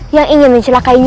yang ingin mencelakainya